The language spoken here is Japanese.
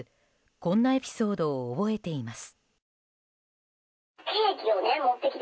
こんなエピソードを覚えています。